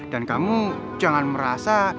dan kamu jangan merasa